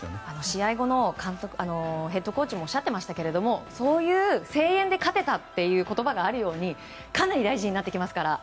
試合後にヘッドコーチもおっしゃってましたがそういう声援で勝てたという言葉があるようにかなり大事になってきますから。